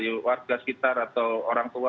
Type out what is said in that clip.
atau orang lain ya dari warga sekitar atau orang lain ya